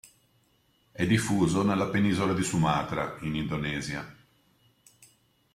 È diffuso nella penisola di Sumatra, in Indonesia.